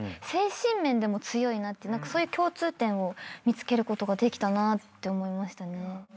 精神面でも強いなってそういう共通点を見つけることができたなって思いましたね。